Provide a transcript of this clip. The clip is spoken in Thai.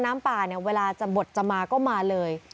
น้ำป่าเนี่ยเวลาจะบดจะมาก็มาเลย